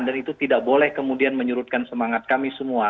dan itu tidak boleh kemudian menyurutkan semangat kami semua